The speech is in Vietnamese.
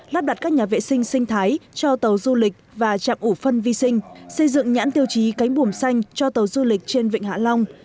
lắp đặt các nhà vệ sinh sinh thái cho tàu du lịch và trạm ủ phân vi sinh xây dựng nhãn tiêu chí cánh bùm xanh cho tàu du lịch trên vịnh hạ long